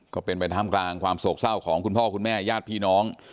ก็เป็นไปท่ามกลางความโศกเศร้าของคุณพ่อคุณแม่ญาติพี่น้อง